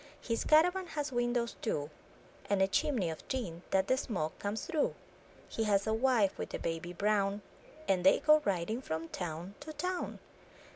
His caravan has windows two, And a chimney of tin, that the smoke comes through; He has a wife, with a baby brown. And they go riding from town to town.